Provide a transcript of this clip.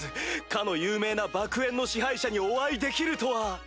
かの有名な爆炎の支配者にお会いできるとは！